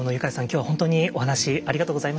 今日は本当にお話ありがとうございました。